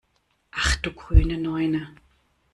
Ach du grüne Neune!